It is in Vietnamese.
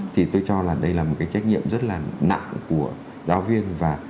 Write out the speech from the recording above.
thì tôi cho là đây là một cái trách nhiệm rất là nặng của giáo viên và